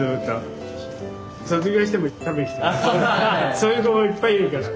そういう子もいっぱいいるから。